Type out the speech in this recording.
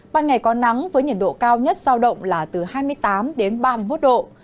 ban ngày có nắng với nhiệt độ cao nhất giao động là từ hai mươi tám đến ba mươi một độ